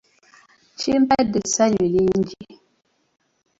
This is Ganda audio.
Kimpadde essanyu lingi